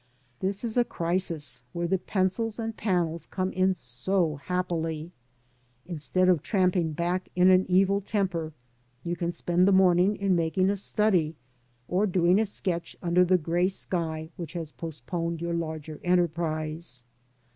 This is a crisis where the pencils and panels come in so happily. Instead of tramping back in an evil temper, you can spend the morning in making a study, or doing a sketch under the grey sky which has postponed your larger enterprise.